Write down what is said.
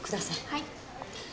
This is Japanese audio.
はい。